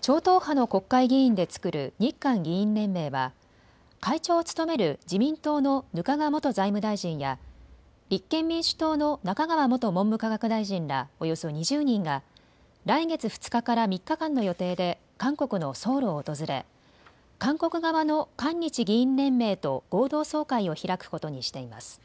超党派の国会議員で作る日韓議員連盟は会長を務める自民党の額賀元財務大臣や立憲民主党の中川元文部科学大臣らおよそ２０人が来月２日からから３日間の予定で韓国のソウルを訪れ韓国側の韓日議員連盟と合同総会を開くことにしています。